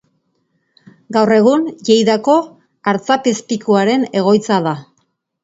Gaur egun, Lleidako Artzapezpikuaren egoitza da.